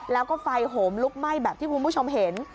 แล้วก็ไฟโหมลุกไหม้แบบที่คุณผู้ชมเห็น